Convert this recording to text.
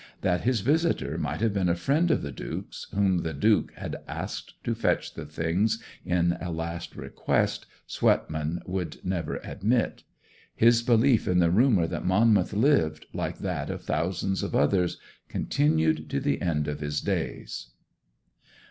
That his visitor might have been a friend of the Duke's, whom the Duke had asked to fetch the things in a last request, Swetman would never admit. His belief in the rumour that Monmouth lived, like that of thousands of others, continued to the end of his days.